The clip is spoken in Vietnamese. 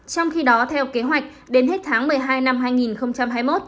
trong khi đó theo kế hoạch đến hết tháng một mươi hai năm hai nghìn hai mươi một